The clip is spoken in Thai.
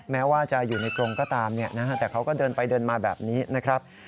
แม้ว่าจะอยู่ในกรงก็ตามแต่เขาก็เดินไปเดินมาแบบนี้นะครับ